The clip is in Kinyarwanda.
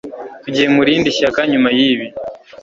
Tugiye mu rindi shyaka nyuma yibi.